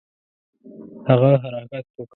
هغه حرکت وکړ.